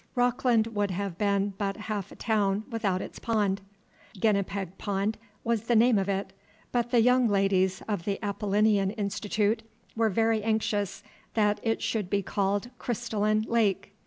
Rockland would have been but half a town without its pond; Guinnepeg Pond was the name of it, but the young ladies of the Apollinean Institute were very anxious that it should be called Crystalline Lake.